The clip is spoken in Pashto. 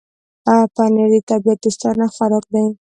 پنېر د طبيعت دوستانه خوراک دی.